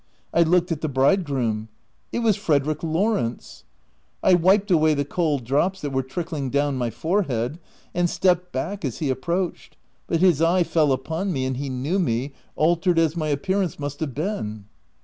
I looked at the bridegroom — it was Frederick Lawrence ! I wiped away the cold drops that were trickling down my forehead, and stepped back as he approached ; but his eye fell upon me, and he knew me, altered as my appearance must have been.